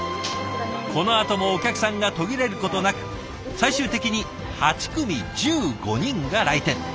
このあともお客さんが途切れることなく最終的に８組１５人が来店。